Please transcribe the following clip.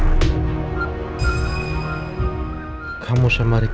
assalamualaikum warahmatullahi wabarakatuh